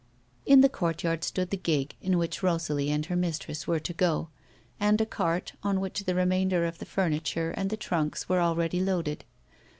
In the court yard stood the gig in which Eosalie and her mistress were to go, and a cart on which the remainder of the furniture and the trunks were already loaded.